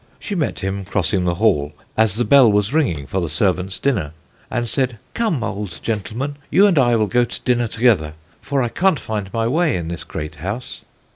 She met him, crossing the hall, as the bell was ringing for the servants' dinner, and said: 'Come, old gentleman, you and I will go to dinner together, for I can't find my way in this great house.'